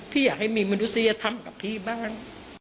อยากให้มีมนุษยธรรมกับพี่บ้าง